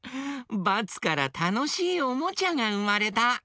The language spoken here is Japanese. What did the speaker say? バツからたのしいおもちゃがうまれた！